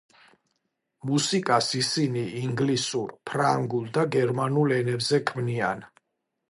მუსიკას ისინი ინგლისურ, ფრანგულ და გერმანულ ენებზე ქმნიან.